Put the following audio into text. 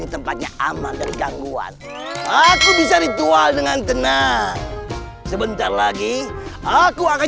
tempatnya aman dari gangguan aku bisa ritual dengan tenang sebentar lagi aku akan